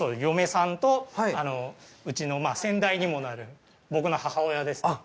嫁さんとうちの先代にもなる僕の母親です。